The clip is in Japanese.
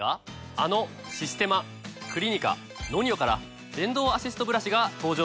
あのシステマクリニカＮＯＮＩＯから電動アシストブラシが登場したんです。